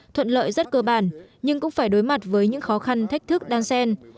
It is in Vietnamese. thuận lợi rất cơ bản nhưng cũng phải đối mặt với những khó khăn thách thức đang xen